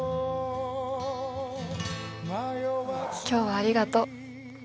今日はありがとう。